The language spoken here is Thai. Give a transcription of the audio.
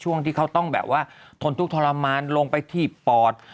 ช่วงที่เขาต้องแบบว่าทนทุกขรมานลงไปที่ปอด